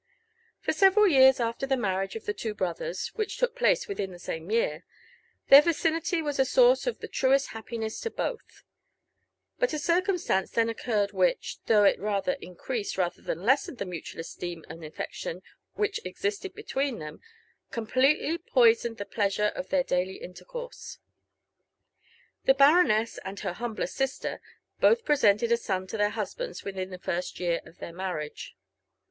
For several years after the marriage of the two brothers, which took place within the same year, their vicinity was a source of the truest happiness to both ; but a circumstance then occurred which, though it rather increased than lessened the mutual Esteem and aflection which existed between them, completely poisoned the pleasure of their daily intercourse. The baroness and her humbler sister, both presented a son to their husbands within the first year of their marriage.